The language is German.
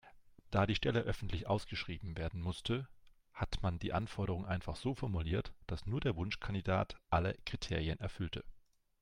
Da die Stelle öffentlich ausgeschrieben werden musste, hat man die Anforderungen einfach so formuliert, dass nur der Wunschkandidat alle Kriterien erfüllte.